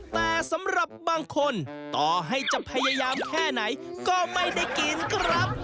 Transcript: แต่สำหรับบางคนต่อให้จะพยายามแค่ไหนก็ไม่ได้กินครับ